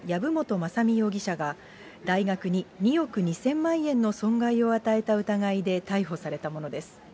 雅巳容疑者が、大学に２億２０００万円の損害を与えた疑いで逮捕されたものです。